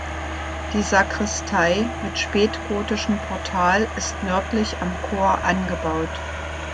Die Sakristei mit spätgotischem Portal ist nördlich am Chor angebaut.